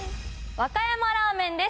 和歌山ラーメンです。